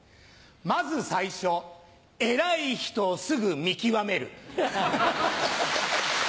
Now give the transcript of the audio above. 先ず最初偉い人をすぐ見極める。